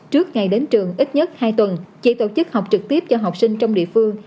trước ngày đến trường ít nhất hai tuần chỉ tổ chức học trực tiếp cho học sinh trong địa phương